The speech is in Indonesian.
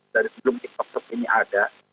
dari sebelum tip top top ini ada